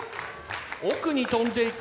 奥に飛んでいく